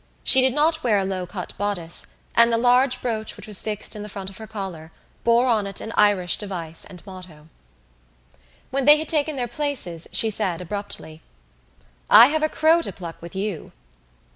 She did not wear a low cut bodice and the large brooch which was fixed in the front of her collar bore on it an Irish device and motto. When they had taken their places she said abruptly: "I have a crow to pluck with you."